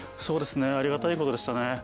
そうですねありがたいことでしたね。